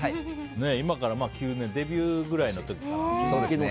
今から９年前デビューぐらいの時か。